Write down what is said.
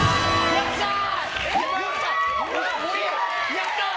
やったー！